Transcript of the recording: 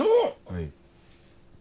はい。